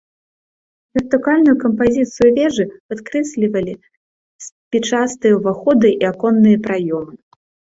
Вертыкальную кампазіцыю вежы падкрэслівалі спічастыя ўваходы і аконныя праёмы.